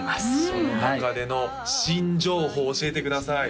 その中での新情報教えてください